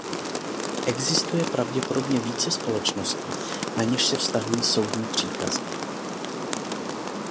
Existuje pravděpodobně více společností, na něž se vztahují soudní příkazy.